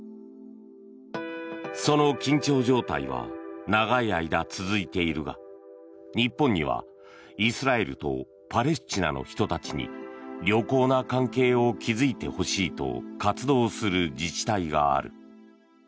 その緊張状態は長い間、続いているが日本には、イスラエルとパレスチナの人たちに良好な関係を築いてほしいと活動する自治体がある。